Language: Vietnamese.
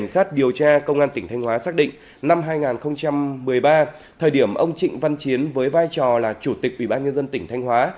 xác định năm hai nghìn một mươi ba thời điểm ông trịnh văn chiến với vai trò là chủ tịch ủy ban nhân dân tỉnh thanh hóa